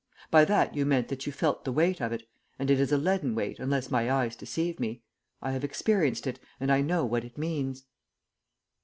By that you meant that you felt the weight of it, and it is a leaden weight unless my eyes deceive me. I have experienced it, and I know what it means."